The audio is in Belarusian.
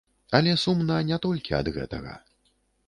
Але сумна не толькі ад гэтага.